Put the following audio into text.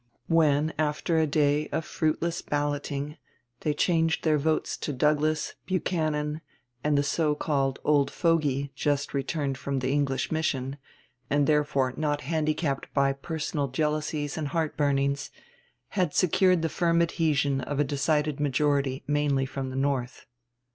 When after a day of fruitless balloting they changed their votes to Douglas, Buchanan, the so called "old fogy," just returned from the English mission, and therefore not handicapped by personal jealousies and heart burnings, had secured the firm adhesion of a decided majority mainly from the North.